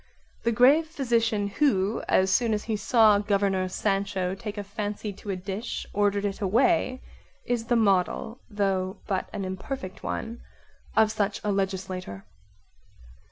The grave physician who, as soon as he saw Governor Sancho take a fancy to a dish, ordered it away is the model, though but an imperfect one, of such a legislator.